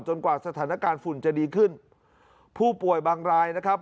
กว่าสถานการณ์ฝุ่นจะดีขึ้นผู้ป่วยบางรายนะครับ